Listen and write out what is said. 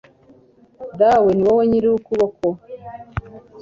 dawe, ni wowe nyir'ukuboko